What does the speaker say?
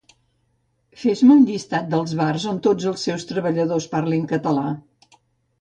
Fes-me un llistat dels bars on tots els seus treballadors parlin català